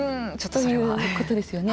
ということですよね。